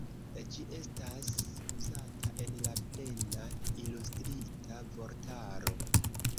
Ĝi estas uzata en la Plena Ilustrita Vortaro.